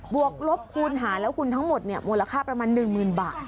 บวกลบคูณหาระคุณทั้งหมดมูลค่าประมาณ๑๐๐๐๐บาท